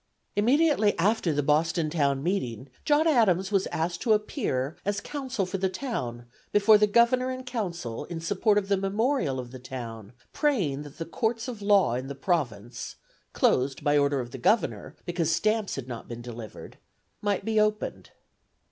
Immediately after the Boston town meeting, John Adams was asked to appear as counsel for the town before the governor and council, "in support of the memorial of the town, praying that the courts of law in the province" (closed by order of the governor, because the stamps had not been delivered) might be opened.